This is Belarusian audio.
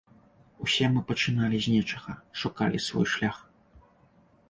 Усе мы пачыналі з нечага, шукалі свой шлях.